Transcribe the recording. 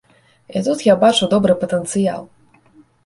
І тут я бачу добры патэнцыял.